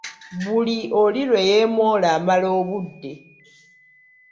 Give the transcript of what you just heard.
Buli oli lwe yeemoola amala obudde.